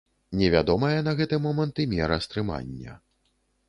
Невядомая на гэты момант і мера стрымання.